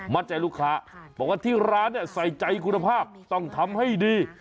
ใจลูกค้าบอกว่าที่ร้านใส่ใจคุณภาพต้องทำให้ดี